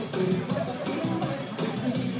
ตรงตรงตรง